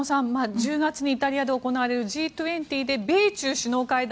１０月にイタリアで行われるＧ２０で米中首脳会談。